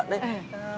đi cẩn thận đi